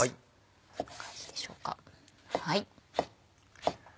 こんな感じでしょうか。